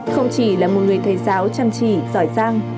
không chỉ là một người thầy giáo chăm chỉ giỏi giang